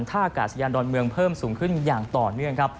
ท่ากาศยานดอนเมืองเพิ่มสูงขึ้นอย่างต่อเนื่องครับ